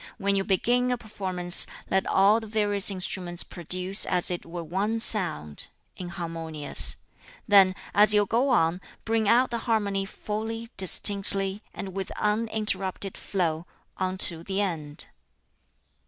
When you begin a performance, let all the various instruments produce as it were one sound (inharmonious); then, as you go on, bring out the harmony fully, distinctly, and with uninterrupted flow, unto the end."